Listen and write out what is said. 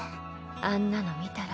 あんなの見たら。